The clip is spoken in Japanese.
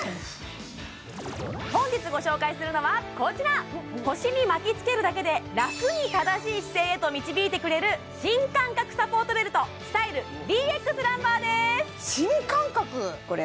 本日ご紹介するのはこちら腰に巻きつけるだけでラクに正しい姿勢へと導いてくれる新感覚サポートベルトスタイルＢＸランバーです新感覚？